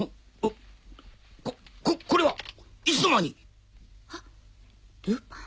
ここれはいつの間に⁉あっルパン。